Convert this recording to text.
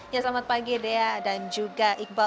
ya selamat pagi dea dan juga iqbal